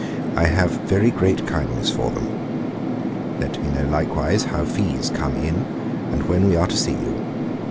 I have very great kindness for them. Let me know likewise how fees come in, and when we are to see you.